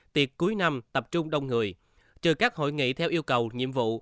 tiệc cuối năm tập trung đông người trừ các hội nghị theo yêu cầu nhiệm vụ